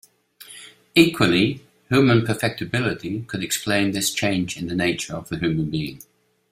Equally, human "perfectibility" could explain this change in the nature of the human being.